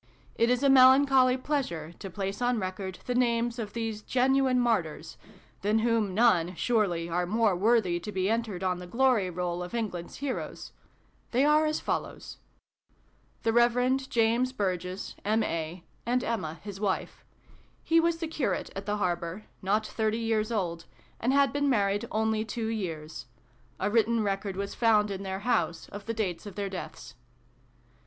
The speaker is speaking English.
It is a melan choly pleasure to place on record the names of these genuine martyrs than whom none, surely, are more worthy to be entered on the glory roll of England s heroes ! They are as follows : The Rev. James Biirgess, M.A., and Emma his wife. He was the Curate at the Harbour, not thirty years old, and had been married only two years. A written record was found in their house, of the dates of their deaths.